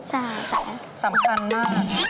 ใช่แต่สำคัญน่ะ